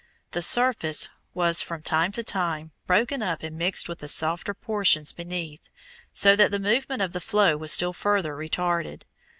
The surface was from time to time broken up and mixed with the softer portions beneath, so that the movement of the flow was still further retarded.